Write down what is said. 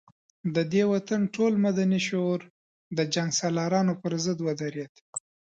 د دې وطن ټول مدني شعور د جنګ سالارانو پر ضد ودرېد.